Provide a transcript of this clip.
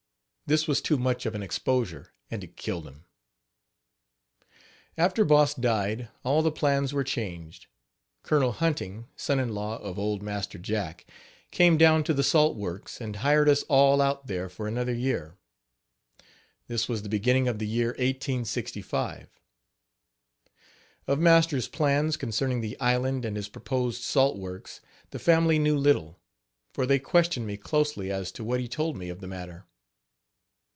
This was too much of an exposure and it killed him. After Boss died all the plans were changed. Col. Hunting, son in law of old Master Jack, came down to the salt works and hired us all out there for another year. This was the beginning of the year 1865. Of master's plans concerning the island and his proposed salt works the family knew little, for they questioned me closely as to what he told me of the matter.